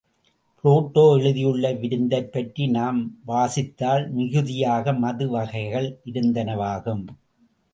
Plato எழுதியுள்ள விருந்தைப்பற்றி நாம் வாசித்தால் மிகுதியாக மது வகைகள் இருந்தனவாகவும்.